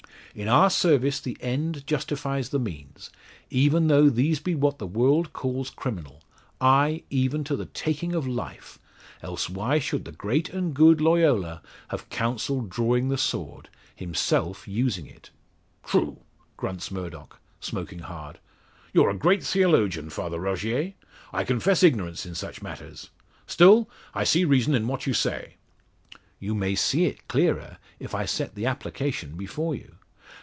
In our service the end justifies the means, even though these be what the world calls criminal ay, even to the taking of life, else why should the great and good Loyola have counselled drawing the sword, himself using it?" "True," grunts Murdock, smoking hard, "you're a great theologian, Father Rogier. I confess ignorance in such matters; still, I see reason in what you say." "You may see it clearer if I set the application before you.